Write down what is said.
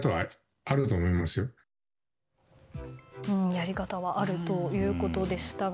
やり方はあるということでしたが。